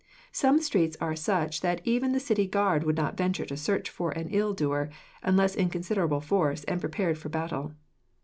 Some streets are such that even the city guard would not venture to search for an ill doer, unless in considerable force and prepared for battle.